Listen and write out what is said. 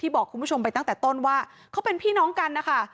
บอกคุณผู้ชมไปตั้งแต่ต้นว่าเขาเป็นพี่น้องกันนะคะ